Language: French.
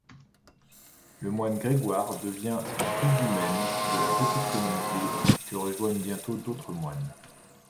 Le moine Grégoire devient higoumène de la petite communauté, que rejoignent bientôt d'autres moines.